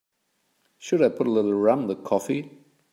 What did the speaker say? Shall I put a little rum in the coffee?